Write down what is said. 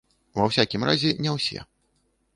Ва ўсякім разе, не ўсе.